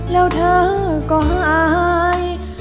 แล้วเธอก็หาย